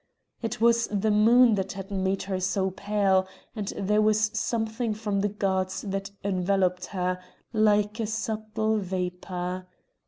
It was the moon that had made her so pale, and there was something from the gods that enveloped her like a subtle vapour.